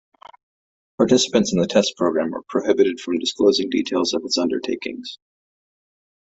Participants in the test program were prohibited from disclosing details of its undertakings.